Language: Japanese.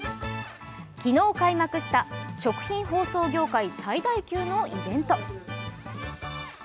昨日開幕した食品包装業界最大級のイベント。